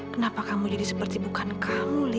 kenapa kamu jadi seperti bukan kamu